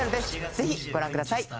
ぜひご覧ください。